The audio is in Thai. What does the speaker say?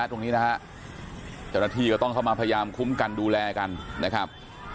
ตรงนี้นะฮะเจ้าหน้าที่ก็ต้องเข้ามาพยายามคุ้มกันดูแลกันนะครับ